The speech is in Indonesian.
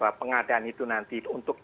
bahwa pengadaan itu nanti untuk